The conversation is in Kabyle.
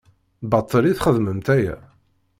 Baṭel i txeddmemt aya?